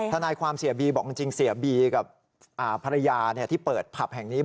ทนายความเสียบีบอกจริงเสียบีกับภรรยาที่เปิดผับแห่งนี้